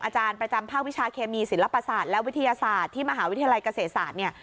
อาจารย์ประจำภาควิชาเคมีศิลปศาสตร์และวิทยาศาสตร์ที่มหาวิทยาลัยเกษตรศาสตร์เนี่ย